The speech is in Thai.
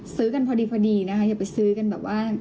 ซื้อกันพอดีนะคะอย่าไปซื้อกันแบบว่า